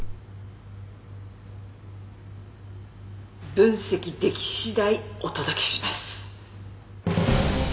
分析出来次第お届けします。